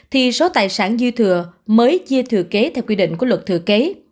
thì số tài sản dư thừa mới chia thừa kế theo quy định của luật thừa kế